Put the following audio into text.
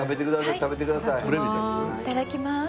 いただきます！